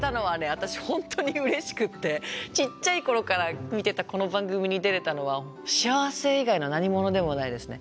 私本当にうれしくってちっちゃい頃から見てたこの番組に出れたのは幸せ以外の何物でもないですね。